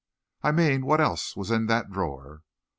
"I mean, what else was in that drawer?"